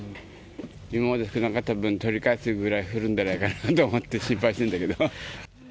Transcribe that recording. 今まで降らなかった分、取り返すぐらい降るんでないかなと思うぐらい心配してるんだけど。